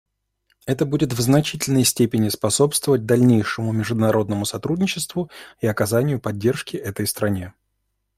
Это будет в значительной степени способствовать дальнейшему международному сотрудничеству и оказанию поддержки этой стране.